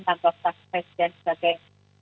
kantor presiden sebagai